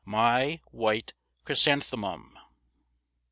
MY WHITE CHRYSANTHEMUM.